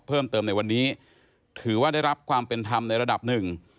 เพิ่มเติมในวันนี้ถือว่าได้รับความเป็นธรรมในระดับหนึ่ง